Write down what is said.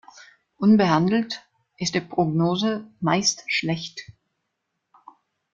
Unbehandelt ist die Prognose meist schlecht.